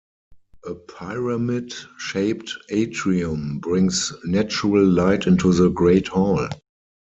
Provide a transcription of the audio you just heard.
A pyramid shaped atrium brings natural light into the Great Hall.